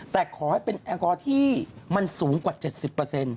แต่ขอให้เป็นแอลกอฮอล์ที่มันสูงกว่า๗๐